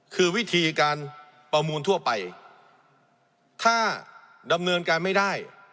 คือวิธีการประมูลทั่วไปถ้าดำเนินการไม่ได้